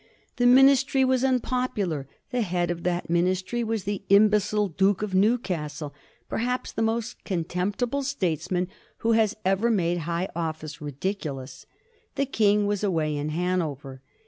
The Ministry was unpopular : the head of that Ministry was the imbecile Duke of Newcastle, per haps the most contemptible statesman who has ever made high office ridiculous. The King was away in Hanover.